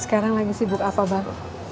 sekarang lagi sibuk apa baru